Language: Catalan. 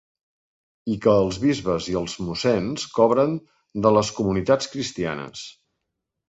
I que els bisbes i els mossens cobren de les comunitats cristianes.